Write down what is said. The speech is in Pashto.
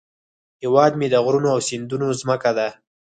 هیواد مې د غرونو او سیندونو زمکه ده